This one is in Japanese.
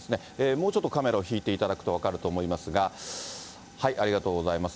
もうちょっとカメラを引いていただくと分かると思いますが、ありがとうございます。